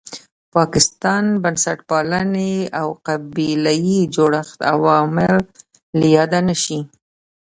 پاکستان، بنسټپالنې او قبیله یي جوړښت عوامل له یاده نه شي.